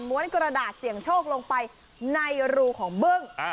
กระดาษเสี่ยงโชคลงไปในรูของบึ้ง